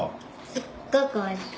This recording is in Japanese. すっごくおいしい。